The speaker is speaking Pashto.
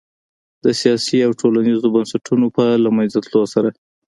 د سیاسي او ټولنیزو بنسټونو په له منځه تلو سره